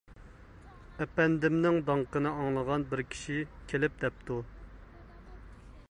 ئەپەندىمنىڭ داڭقىنى ئاڭلىغان بىر كىشى كېلىپ دەپتۇ.